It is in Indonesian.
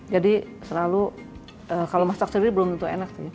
jadi selalu kalau masak sendiri belum tentu enak